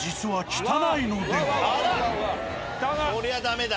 こりゃダメだ。